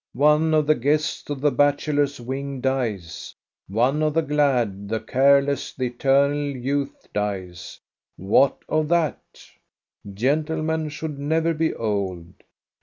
" One of the guests of the bachelors' wing dies, one of the glad, the careless, the eternal youth dies. What of that } Gentlemen should never be old.